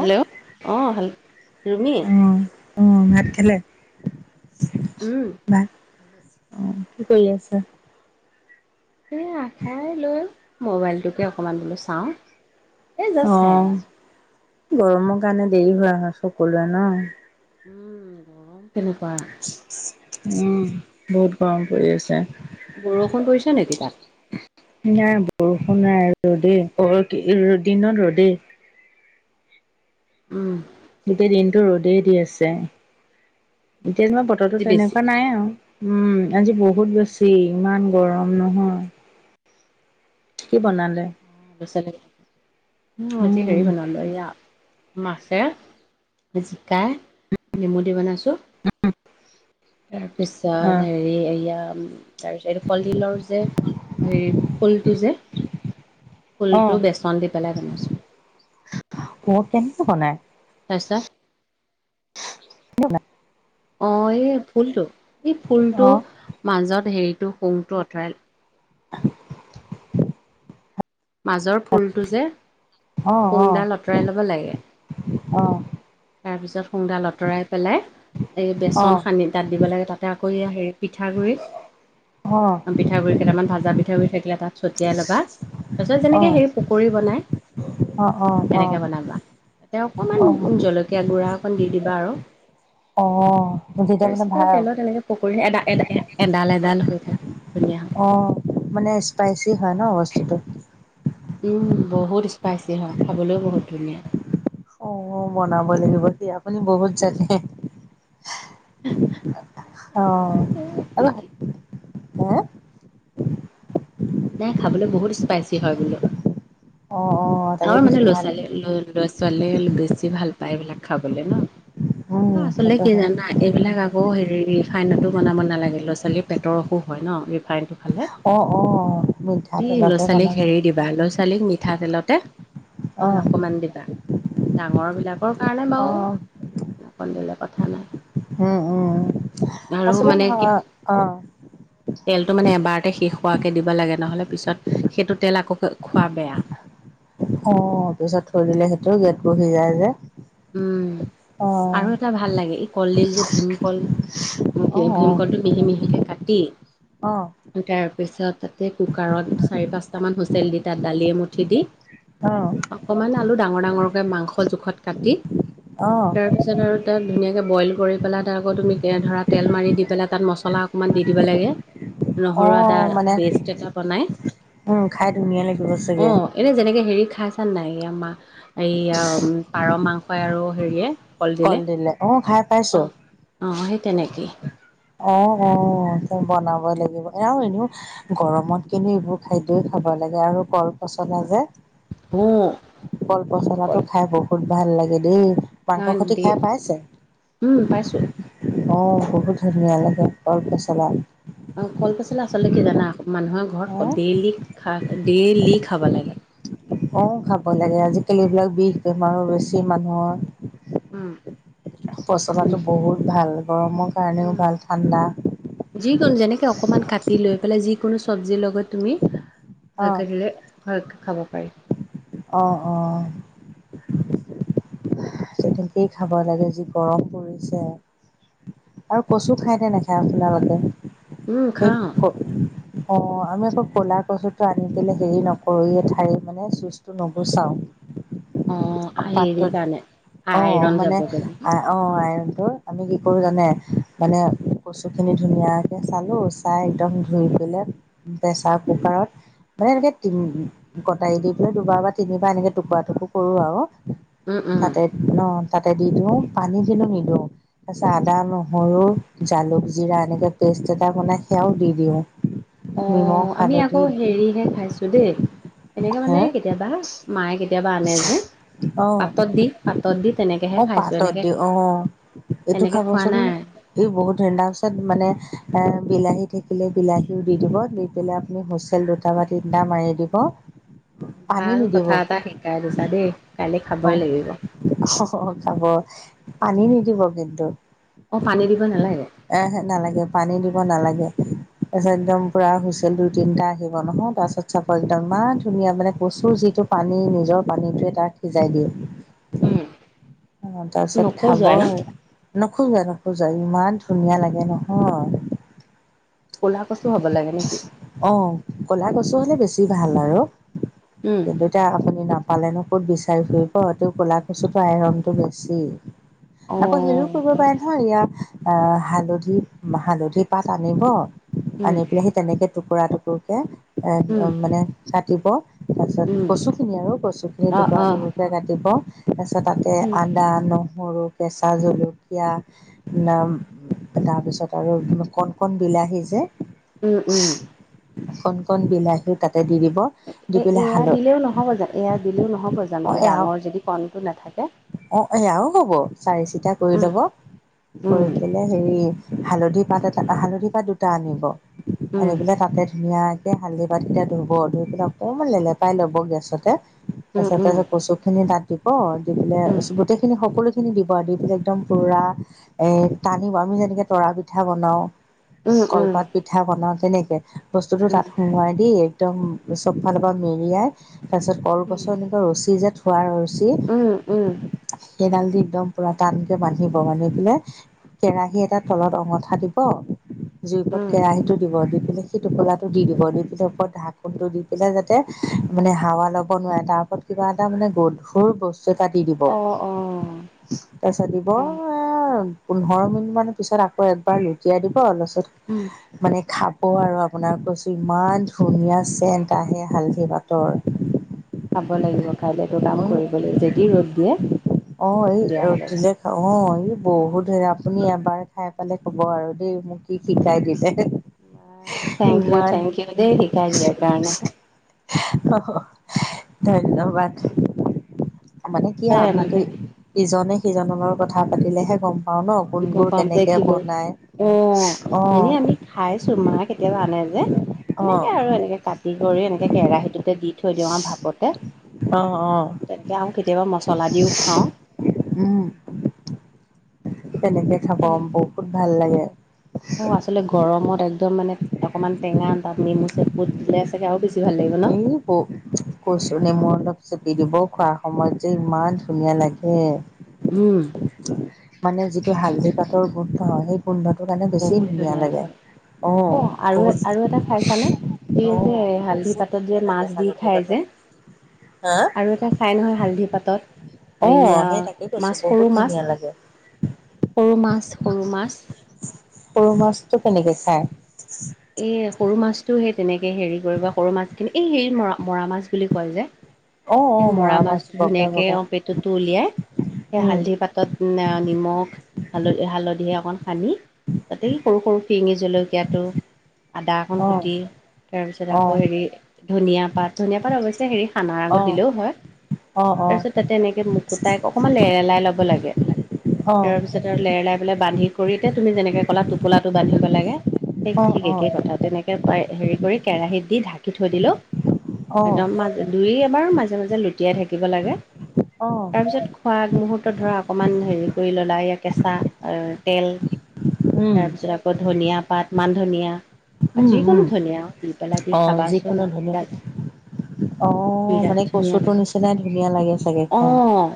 Hello অ', হেল ৰুমি অ', অ', ভাত খালে? উম। ভাত অ', কি কৰি আছা? এইয়া খাই লৈ, মোবাইলটোকে অকণমান বোলো চাওঁ। এই জাষ্ট খাই অ', আহিছো গৰমৰ কাৰণে, দেৰি হোৱা হয়, সকলোৰে ন? উম, গৰম কেনেকোৱা? উম, বহুত গৰম পৰি আছে। বৰষুণ পৰিছে নেকি তাত? নাই বৰষুণ নাই ৰ'দে, অ', দি দিনত ৰ'দে। উম। গোটেই দিনটো ৰ'দেই দি আছে, এতিয়া যেনিবা বতৰটো আজি বেছি তেনেকুৱা নাই আৰু। উম, আজি বহুত বেছি ইমান গৰম নহয়। কি বনালে? পাচলি, অ', আজি হেৰি উম। বনালো এয়া মাছে, জিকাই, নেমু দি বনাইছোঁ। তাৰপিছত, অ', হেৰি এইয়া তাৰপিছত, এইটো কলডিলৰ যে, হেৰি ফুলটো যে ফুলটো, অ', বেচন দি পেলাই বনাইছোঁ। [unintelligible] কেনেকে বনাই? তাৰপিছত [unintelligible] অ', এই ফুলটো, এই ফুলটো অ', মাজত হেৰিটো শুংটো আঁতৰাই [unintelligible] মাজৰ ফুলটো যে অ', অ', শুংডাল আঁতৰাই ল'ব লাগে অ'। তাৰপিছত, শুং দাল আঁতৰাই পেলাই, এই বেচন অ', সানি তাত দিব লাগে, তাতে আকৌ এয়া হেৰি পিঠাগুড়িত, অ', পিঠাগুড়ি কেইটামান, ভাজা পিঠাগুড়ি থাকিলে, তাত ছটিয়াই ল'বা। তাৰপিছত, যেনেকে অ'। হেৰি পকৰী বনাই। অ', তেনেকে অ', বনাবা, তেঁও অকমান অ', অ', জলকীয়া গুড়া অকন দি দিবা আৰু। অ', তেতিয়া মানে তাৰপিছত আৰু ভাল। তেলত এনেকৈ পকৰী এডা, এডা, এ এডাল, এডাল হৈ থাকে। ধুনীয়া হৈ থাকে অ', মানে স্পাইচি হয় ন, বস্তুটো। উম, বহুত স্পাইচি হয়, খাবলৈও বহুত ধুনীয়া। মইও বনাব লাগিব তেতিয়া, আপুনি বহুত জানে। কি অ', কি হে। নাই, খাবলৈ বহুত স্পাইচি হয় বোলো। অ', অ'। তাকে আমাৰ মানে, কৈছো ভাল ল'ৰা-ছোৱালী, ল'ৰা-ছোৱালীয়ে বেছি ভাল পায়, এইবিলাক খাবলে ন। উম, আচলতে সেইটো কি, হয় জানাই এইবিলাক আকৌ হেৰি, ৰিফাইনতো বনাব নালাগে, ল'ৰা-ছোৱালীৰ পেটৰ অসুখ হয় ন, ৰিফাইনটো। খালে অ', অ', মিঠাতেলতে বনাব। ল'ৰা-ছোৱালীক মিঠাতেলতে। হয়, অ', অকমান দিবা, ডাঙৰ বিলাকৰ কাৰণে বাৰু। অ', কলডিলৰ কথা নাই। উম, উম, আৰু আচলতে মানে কি নহয়, অ'। তেলটো মানে এবাৰতে শেষ হোৱাকে দিব লাগে, নহ'লে পিছত, সেইটো তেল আকৌ খোৱা বেয়া। অ', পিছত থৈ দিলে সেইটো, গেট বহি যায় যে। উম, অ', আৰু এটা ভাল লাগে, কলডিল যে, ভীমকল। অ', ভীমকলটো মিহি মিহিকে কাটি অ', তাৰপিছত তাতে কুকাৰত চাৰি-পাঁচটামান হুইচেল দি তাত দালিয়ে মুঠি দি অ। অকমান আলু ডাঙৰ ডাঙৰকে মাংস জোখত কাটি, অ', তাৰপিছত তাৰপিছত আৰু তাত ধুনীয়াকে বইল কৰি পেলাই তাত আকৌ তুমি ধৰা তেল মাৰি দি পেলাই তাত মছলা অকণমান দি দিব লাগে। নহৰু আদা অ', মানে পেষ্ট এটা বনাই, উম, খাই ধুনীয়া লাগিব অ চাগে এনে যেনেকে হেৰি খাই আছা নাই? এই মা এয়া পাৰ মাংসই আৰু হেৰিয়ে। কলডিলে, অ', খাই পাইছো। অঁ অঁ সেই তেনেকেই। অ অ তো বনাব লাগিব আৰু এনেও গৰমত কিন্তু এইবোৰ খাদ্যই খাব লাগে আৰু কল পচলা যে হম। কল পচলাটো খাই বহুত ভাল লাগে দেই। মাংস নাই সতি দে খাই পাইছে? উম পাইছোঁ অ বহুত ধুনীয়া লাগে কল পচলা। অ কলপচলা আচলতে কি জানা মানুহৰ ঘৰত খ অ', ডেইলি খাই ডেইলি খাব লাগে। অ খাব লাগে আজিকালি এইবিলাক বিষ বেমাৰো বেছি মানুহৰ। উম পচলাটো বিষ বহুত ভাল গৰমৰ কাৰণেও ভাল ঠাণ্ডা। যিকন যেনেকে অকণমান কাটি লৈ পেলাই যিকোনো চব্জিৰ লগত তুমি অ', ভালকে দিলে, ভালকে খাব পাৰি। অ অ। তেনেকেই খাব লাগে যি গৰম পৰিছে। আৰু কচু খাই নে নাখায় আপুনালোকে? উম খাওঁ [unintelligible] অ আমি আকৌ ক'লা কচুটো আনি পেলে হেৰি নকৰো [unintelligible] টো নুগুচাওঁ, অ হেৰি পাতত কাৰণে অ আইৰন মানে যাবগে যে আ অ এইবোৰ আমি কি কৰোঁ জানে, মানে কচু খিনি ধুনীয়াকৈ চালোঁ, চাই একদম ধুই পেলাই প্ৰেছাৰ কুকাৰত মানে এনেকে তিম কটাৰী দি পেলাই দুবাৰ বা তিনিবাৰ এনেকে টুকুৰা টুকুৰ কৰো আৰু উম উম তাতে ন তাতে দি দিওঁ পানী কিন্তু দিলো নিদিওঁ তাৰপিছত আদা নো নহৰু, জালুক-জিৰা এনেকৈ পেষ্ট এটা বনাই সেয়াও দি দিওঁ। অ নিমখ আমি আকৌ হালধি দি হেৰিহে খাইছো দেই, এনেকে হে মানে কেতিয়াবা মায়ে কেতিয়াবা আনে যে, অ পাতত দি পাতত দি অ তেনেকেহে খাইছো, পাতত এনেকে দিওঁ অ এনেকে খোৱা নাই। সেই বহুত ধুনীয়া তাৰ পাছত মানে বিলাহী থাকিলে বিলাহীও দি দিব দি পেলাই আপুনি হোচেলটোত দুটা বা তিনটা মাৰি দিব। অ পানী ভাল নিদিব কথা এটা শিকাই দিছা দেই কাইলৈ খাবই লাগিব। অ খাব পানী নিদিব কিন্তু। অ পানী দিব নালাগে? এ হে নালাগে পানী দিব নালাগে। তাৰপিছত একদম পুৰা হুইছেল দুই তিনটা আহিব নহয় তাৰপিছত চাবৰ একদম ইমান ধুনীয়া মানে কচু যিটো পানী নিজৰ পানীতোৱে তাক সিজাই দিয়ে। উম। অ তাৰপিছত খাব নখজুৱাই ন নোখোজায় নোখোজায় ইমান ধুনীয়া লাগে নহয়। ক'লা কচু হ'ব লাগে নেকি? অ', কলা কচু হ'লে বেছি ভাল আৰু। উম'। দেউতা আপুনি নাপালে নো ক'ত বিচাৰি ফুৰিব এইটো ক'লা কচুটো আইৰণটো বেছি। অ আকৌ হেৰিও কৰিব পাৰে ন- হয় ইয়াত আঁহ', হালধি-হালধি পাত আনিব উম আনি পেলাই সি তেনেকে- টুকুৰা-টুকুৰকে উম মানে কাটিব। তাৰপিছত উম কচুখিনি আৰু, কচুখিনি অ অ দুবাৰকে-দুবাৰকে কাটিব, তাৰপিছত তা'তে- উম আদা, নহৰু, কেঁচা জলকীয়া, নাম, তাৰপিছত আৰু কণ-কণ বিলাহী যে- উমঁ-উমঁ। কণ-কণ বিলাহী তা'তে দি দিব। দি এই পেলাই এয়া হাল দিলেও নহ'ব জানো, এয়া দিলেও নহ'ব জানো, এই ডাঙৰ যদি কণটো নাথাকে। অঁহ', এয়াও হ'ব চাৰি চিটা কৰি উম লব। উম কৰি পেলাই হেৰি হালধি পাত এটা, হালধি পাত দুটা আনিব। আৰু উম এইবিলাক তা'তে ধুনীয়াকে এই হালধি পাতকেইটা ধুব ধুই পেলাই অকণমান লে'লেপাই ল'ব গেছতে। উম তাৰপিছত-তাৰপিছত কচুখিনি তা'ত দিব, দি উম পেলাই গোটেইখিনি সকলো- খিনি দিব আৰু দি একদম পুৰা এ টানিব আমি যেনেকে তৰা পিঠা বনাওঁ। উম উম কলপাত- পিঠা বনাওঁ তেনেকে, বস্তুটো উম তা'ত সোমোৱাই দি একদম চবফালৰ পৰা মেৰিয়াই- তাৰপিছত উম কলগছৰ এনেকুৱা ৰছী যে থোৱা ৰছী- উম উম উম সেইডাল দি একদম পুৰা টানকে বান্ধিব, বান্ধি পেলাই- কেৰাহী এটাত তলত অঙঠা দিব- জুই ওপৰত উম কেৰাহীটো দিব দি পিনে সেই টোপোল টো দি দিব দি পিনে ওপৰত ঢাকোনটো দি- দি পিনে যাতে মানে হাৱা ল'ব নোৱাৰে তাৰ ওপৰত কিবা এটা মানে গধুৰ বস্তু- এটা দি দিব। অঁ'। তাৰপিছত দিব এ'- আ' পোন্ধৰ মিনিট মানৰ পিছত আকৌ একবাৰ লুটিয়াই দিব তাৰপিছত- উম মানে খাব আৰু আপোনাৰ কৈছো ইমান ধুনীয়া চেণ্ট আহে হালধি পাটৰ। খাব লাগিব কাইলে এইটো কাম কৰিব লাগিব যদি ৰ'দ দিয়ে। অঁ', এই তেতিয়াহ'লে ৰ'দটো যে। অঁ', এই বহুত হেৰি আপুনি এবাৰ খাই পেলাই ক'ব আৰু দেই মোক। কি শিকাই দিলে, বাৰু থেংক ইউ ইমান- থেংক ইউ দেই শিকাই দিয়াৰ কাৰণে ধন্যবাদ। মানে কি চাই আমি মানুহে দেই- ইজনে-সিজনৰ কথা পাতিলে'হে গম- পাওঁ ন' গম কোনবোৰ পাম যে কেনেকে কি বল বনাই। অ এনেই আমি অঁ'। খাইছো, মাই কেতিয়াবা আনে যে। অ এনেকৈ আৰু, এনেকৈ কাটি কৰি এনেকৈ কেৰাহীটোতে দি থৈ দিওঁ আৰু ভাপতে। অঁ', -অঁ',। তেনেকৈ আৰু কেতিয়াবা মছলা দিও খাওঁ। উমঁ, তেনেকে খাব বহুত ভাল লাগে। অঁ', আচলতে গৰমত একদম মানে অকণমান টেঙা তা'ত নেমু চেপি দিলে- তেতিয়া আৰু বেছি ভাল লাগিব ন। অ'। কৈছো নেমু অলপ চেপি দিব খোৱাৰ সময়ত যে ইমান ধুনীয়া লাগে। উম। মানে যিটো হালধি পাতৰ গোন্ধ সেই গোন্ধটো কাৰণে বেছি ধুনীয়া লাগে। অ এ আৰু বহুত আৰু এটা খাইছানে অ এই যে হালধি বহুত পাত পাতত যে ধুনীয়া লাগে মাছ দি হালধি খায় পাতৰ যে হা আৰু এটা খায় নহয় হালধি পাতত। অ এইয়া সেই তাকে কৈছো মাছ বহুত সৰু মাছ ধুনীয়া লাগে সৰু মাছ সৰু মাছ। সৰু মাছটো কেনেকে খায়? [inaudible] এই সৰু মাছটো সেই তেনেকৈ হেৰি কৰিব সৰু মাছখিনি এই হেৰি মৰা মৰা মাছ বুলি কয় যে। অ অ এই মৰা মাছ বগা ধুনীয়াকে বগা অ পেটুতো উলিয়াই, এ উম হালধি পাতত না নিমখ হালধি হালধি অকণ সানি তাতে এই সৰু সৰু ফিৰিঙী জলকীয়াটো আদা অকণ অ কুটি, তাৰপিছত অ আকৌ হেৰি ধনীয়া পাত ধনীয়া পাত অৱশ্যে হেৰি সানাৰ অ আগত দিলেও হয়, অ অ তাৰপিছত তাতে এনেকে মুকুতাই অকণমান লেৰেলাই ল'ব লাগে, অ তাৰপিছত লেৰেলাই পেলাই বান্ধি কৰি তে তুমি যেনেকে ক'লা টোপলাটো বান্ধিব লাগে। সেই অ অ ঠিক একে কথা, তেনেকে পাই হেৰি কৰি কেৰাহীত দি ঢাকি থৈ দিলেও অ একদম মাজে দুই এবাৰ মাজে মাজে লুটিয়াই থাকিব লাগে, অ তাৰপিছত খোৱা আগ মুহূৰ্তত ধৰা অকণমান হেৰি কৰি ল'লা এইয়া কেঁচা তেল উম তাৰপিছত আকৌ ধনীয়া পাত, মান ধনীয়া উম যিকোনো উম ধনীয়া দি পেলাই দি অ খাবাচোন যিকোনো ধুনীয়া বিৰাট ধুনীয়া লাগে। সঁচাই ধুনীয়া লাগে। চাগে খাই অঁ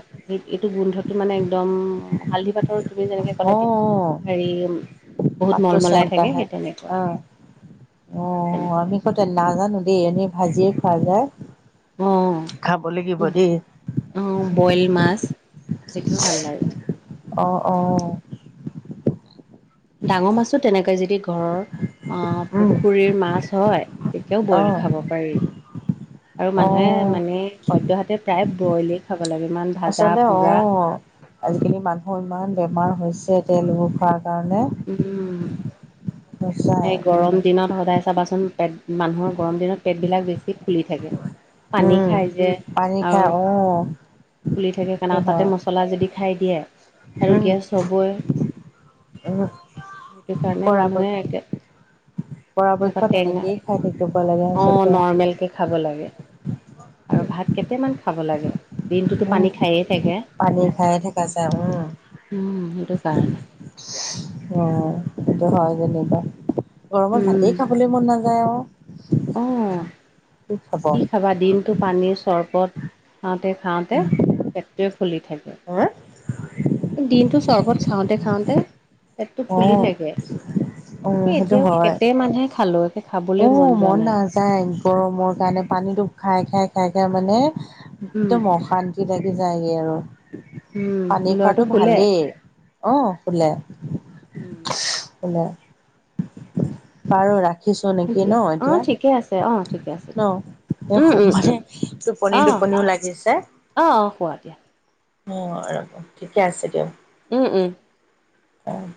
এইটো গোন্ধটো মানে একদম হালধি পাতৰ তুমি যেনেকে কলা অ এতিয়া হেৰি বহুত পাতটো মলমলাই থাকে সেই তেনেকুৱা। অঁ অঁ তেনেকুৱা আমি কতে নাজানো দেই এনেই ভাজিয়ে খোৱা যায়। অঁ খাব লাগিব দেই অঁ অঁ বইল মাছ। সেইটোও ভাল লাগে অহ অহ। ডাঙৰ মাছো তেনেকৈ যদি ঘৰৰ অঁহ উম পুখুৰীৰ মাছ হয় তেতিয়াও অ বইল খাব পাৰি, আৰু মানুহে অ মানে সদ্যহতে প্ৰায়ে বইলেই খাব লাগে ইমান ভাজা আচলতে পোৰা অঁ আজিকালি মানুহৰ ইমান বেমাৰ হৈছে তেলবোৰ খোৱাৰ কাৰণে। উম। সঁচাই এই গৰম দিনত সদায় চাবাচোন পেট মানুহৰ গৰম দিনত পেটবিলাক বেছি ফুলি থাকে। পানী উম খায় যে পানী খাই আৰু অ ফুলি থাকে কাৰণে সেইটো আৰু তাতে হয় মছ মচলা যদি খায় দিয়ে আৰু উম গেছ হবই, উম সেইটো কাৰণে পৰাপক্ষ মানুহে একে এনেকুৱা পৰাপক্ষত টেঙা, এনেকেই খাই থাকিব লাগে অঁ আচলতে নৰ্মেলকে খাব লাগে। আৰু ভাত কেইটামান খাব লাগে। দিনটোতো উম পানী খায়ে থাকে, পানী খায়ে থকা যায় উম সেইটো কাৰণে। অঁহ সেইটো হয় যেনিবা, গৰমত উম ভাতেই খাবলে মন নায যায় আও। অঁহ কি খাবা দিনটো পানী, চৰবত খাওঁতে খাওঁতে পেটটোৱে ফুলি থাকে। হে? দিনটো চৰ্বত খাওঁতে খাওঁতে পেটটো অ ফুলি থাকে অ সেই এতিয়াও কেতেমানহে খালোঁ খাবলৈ অহ যোৱা মন নাই নাযায় গৰমৰ কাৰণে পানীটো খাই খাই খাই খাই মানে উম একদম অশান্তি লাগি যায়গে আৰু উম পানী ল'ৰাটো খোৱাটো শুলে ভালেই অহ শুলে উম শুলে বাৰু ৰাখিছো নেকি ন এতিয়া অ ঠিক ন এ শুম মানে টোপনি টোপনিও লাগিছে অ শুৱা দিয়া অহ ৰ'ব ঠিকে আছে দিয়ক উম উম অহ